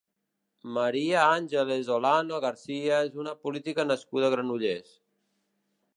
María Ángeles Olano García és una política nascuda a Granollers.